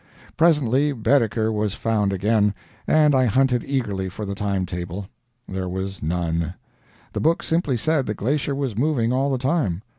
Presently Baedeker was found again, and I hunted eagerly for the time table. There was none. The book simply said the glacier was moving all the time.